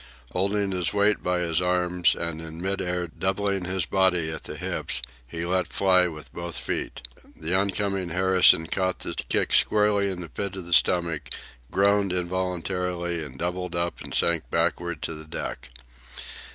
Holding his weight by his arms, and in mid air doubling his body at the hips, he let fly with both feet. The oncoming Harrison caught the kick squarely in the pit of the stomach, groaned involuntarily, and doubled up and sank backward to the deck.